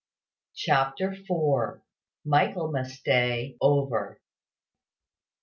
CHAPTER FOUR. MICHAELMAS DAY OVER.